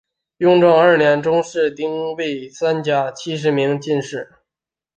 雍正二年中式丁未科三甲七十名进士。